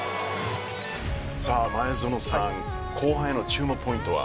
前園さん後半への注目ポイントは？